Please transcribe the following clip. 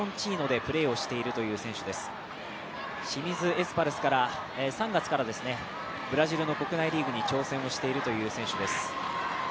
清水エスパルスから３月に、ブラジルの国内リーグに挑戦しているという選手です。